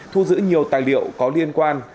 thu giữ nhiều tài liệu có liên quan